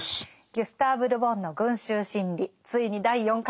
ギュスターヴ・ル・ボンの「群衆心理」ついに第４回ですね。